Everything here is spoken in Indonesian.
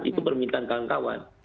itu permintaan kawan kawan